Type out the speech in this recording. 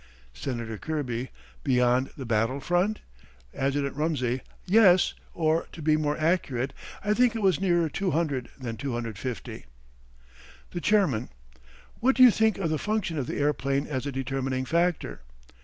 Senator Kirby: Beyond the battle front? Adjt. Rumsey: Yes; or, to be more accurate, I think it was nearer 200 than 250. The Chairman: What do you think of the function of the airplane as a determining factor?